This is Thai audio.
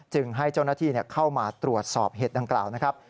ให้เจ้าหน้าที่เข้ามาตรวจสอบเหตุดังกล่าวนะครับ